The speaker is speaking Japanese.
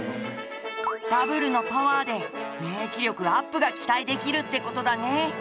ダブルのパワーで免疫力アップが期待できるって事だね！